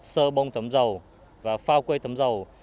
sơ bông thấm dầu và phao quây thấm dầu